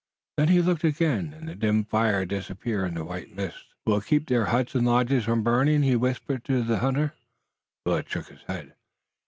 Then he looked again, and the dim fire had disappeared in the white mist. "Will it keep their huts and lodges from burning?" he whispered to the hunter. Willet shook his head.